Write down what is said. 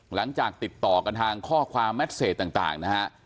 หลังจากติดต่อกันทางข้อความแมทเซตต่างนะฮะ